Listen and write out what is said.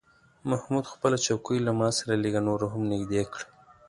محمود خپله چوکۍ له ما سره لږه نوره هم نږدې کړه.